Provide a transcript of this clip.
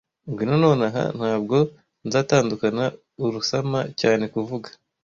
Ngwino nonaha ntabwo nzatandukana, urasama cyane kuvuga,